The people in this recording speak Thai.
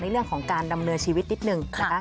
เรื่องของการดำเนินชีวิตนิดนึงนะคะ